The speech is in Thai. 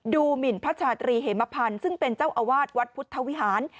หมินพระชาตรีเหมพันธ์ซึ่งเป็นเจ้าอาวาสวัดพุทธวิหาร